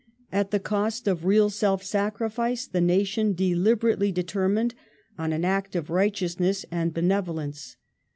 At the cost of real self sacrifice the . nation deliberately determined on an act of righteousness and benevolence.